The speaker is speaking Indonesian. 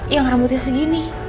yang rambutnya segini